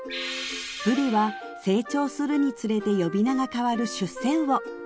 ブリは成長するにつれて呼び名が変わる出世魚